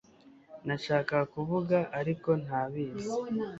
Nashakaga kuvuga ariko ntabizi